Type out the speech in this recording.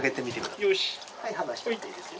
はい離していいですよ。